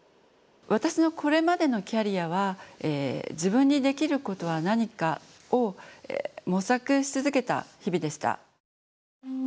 私のこれまでのキャリアは自分にできることは何かを模索し続けた日々でした。